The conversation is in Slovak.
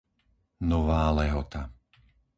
Nová Lehota